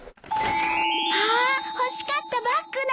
わあ欲しかったバッグだ！